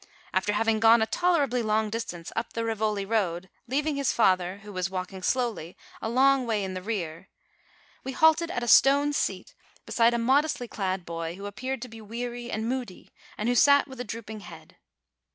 After having gone a toler ably long distance up the Rivoli road, leaving his father, who was walking slowly, a long way in the rear, we halted at a stone seat, beside a modestly clad boy, who appeared to be weary and moody, and who sat with drooping head.